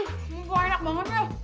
ini kok enak banget ya